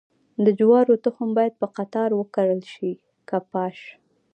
د جوارو تخم باید په قطار وکرل شي که پاش؟